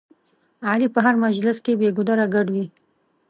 علي په هر مجلس کې بې ګودره ګډ وي.